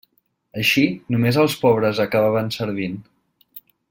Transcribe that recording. Així, només els pobres acabaven servint.